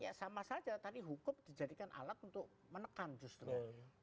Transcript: ya sama saja tadi hukum dijadikan alat untuk menekan justru